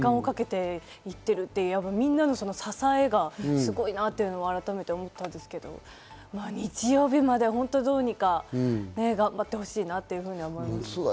時間かけて行っているっていうのは、みんなの支えがすごいなと改めて思ったのと、日曜日まで本当にどうにか、頑張ってほしいなと思います。